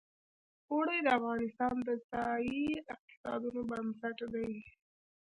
اوړي د افغانستان د ځایي اقتصادونو بنسټ دی.